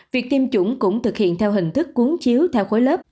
việc tiêm chủng cũng thực hiện theo hình thức cuốn chiếu theo khối lớp